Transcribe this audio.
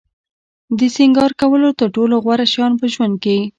د سینگار کولو تر ټولو غوره شیان په ژوند کې.